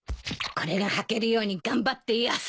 これがはけるように頑張って痩せるわ。